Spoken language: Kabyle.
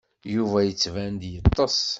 Yuba yettban-d yeṭṭes.